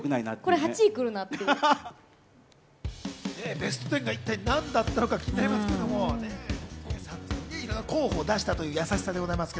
ベスト１０が一体何だったのか気になりますけど、候補を出したという優しさです。